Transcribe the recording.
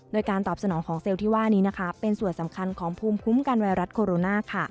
โดยการตอบสนองของเซลล์ที่ว่านี้เป็นส่วนสำคัญของภูมิคุ้มกันไวรัสโคโรนา